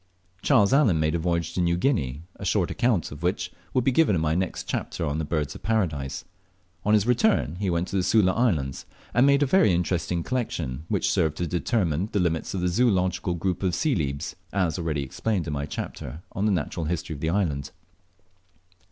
Charles Allen made a voyage to New Guinea, a short account of which will be given in my next chapter on the Birds of Paradise. On his return he went to the Sula Islands, and made a very interesting collection which served to determine the limits of the zoological group of Celebes, as already explained in my chapter on the natural history of that island.